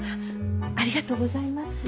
ありがとうございます。